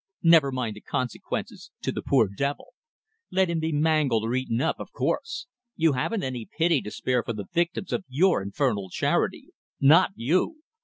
Never mind the consequences to the poor devil. Let him be mangled or eaten up, of course! You haven't any pity to spare for the victims of your infernal charity. Not you!